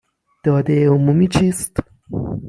دادهٔ عمومی چیست؟